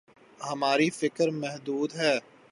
ہماری فکر محدود ہے۔